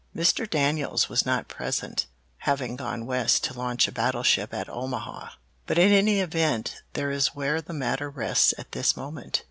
Mr. Daniels was not present, having gone West to launch a battleship at Omaha. But in any event there is where the matter rests at this moment.